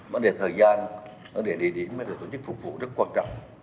vấn đề thời gian vấn đề địa điểm vấn đề tổ chức phục vụ rất quan trọng